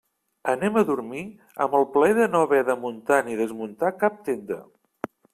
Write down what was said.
Anem a dormir amb el plaer de no haver de muntar ni desmuntar cap tenda.